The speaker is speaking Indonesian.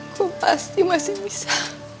gue pasti masih bisa